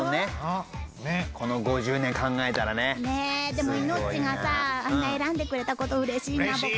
でもいのっちがさあんな選んでくれたことうれしいな僕は。